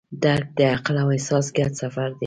درک د عقل او احساس ګډ سفر دی.